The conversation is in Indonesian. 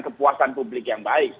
kepuasan publik yang baik